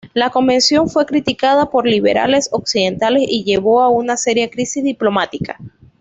La convención fue criticada por liberales occidentales y llevó a una seria crisis diplomática.